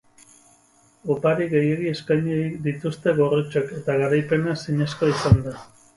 Opari gehiegi eskaini dituzte gorritxoek eta garaipena ezinezkoa izan da.